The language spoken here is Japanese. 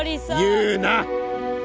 言うな！